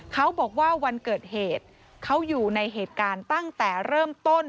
เขาบอกว่าวันเกิดเหตุเขาอยู่ในเหตุการณ์ตั้งแต่เริ่มต้น